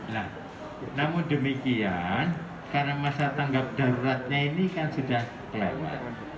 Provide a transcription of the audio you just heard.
nah namun demikian karena masa tanggap daruratnya ini kan sudah kelewat